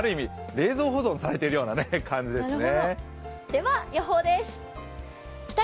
冷蔵保存されている感じですね。